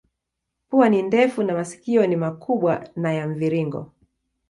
Pua ni ndefu na masikio ni makubwa na ya mviringo.